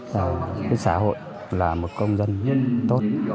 với xã hội là một công dân tốt